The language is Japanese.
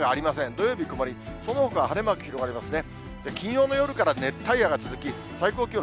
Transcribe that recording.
土曜日曇り、そのほかは晴れマーク広がりますね。